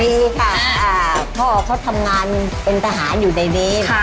ดีค่ะพ่อเขาทำงานเป็นทหารอยู่ในนี้